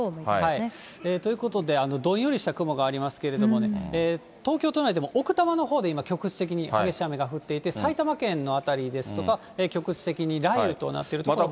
ということで、どんよりした雲がありますけれども、東京都内でも、奥多摩のほうで今、局地的に激しい雨が降っていて、埼玉県の辺りですとか、局地的に雷雨となっている所があります。